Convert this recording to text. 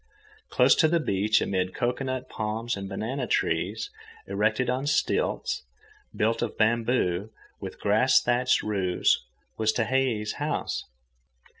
Close to the beach, amid cocoanut palms and banana trees, erected on stilts, built of bamboo, with a grass thatched roof, was Tehei's house.